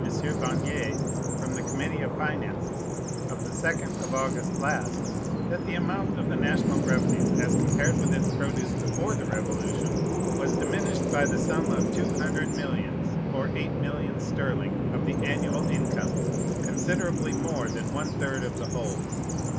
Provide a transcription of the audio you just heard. Vernier, from the Committee of Finances, of the second of August last, that the amount of the national revenue, as compared with its produce before the Revolution, was diminished by the sum of two hundred millions, or eight millions sterling, of the annual income, considerably more than one third of the whole.